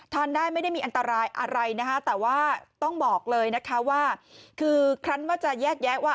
ทานได้ไม่ได้มีอันตรายอะไรนะคะแต่ว่าต้องบอกเลยนะคะว่าคือครั้นว่าจะแยกแยะว่า